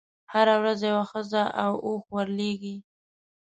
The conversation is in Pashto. هره ورځ یوه ښځه او اوښ ورلېږي.